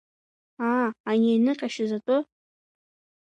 Аа, ани ианыҟьашьыз атәы?